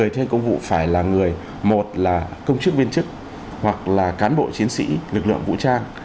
người thi hành công vụ phải là người một là công chức viên chức hoặc là cán bộ chiến sĩ lực lượng vũ trang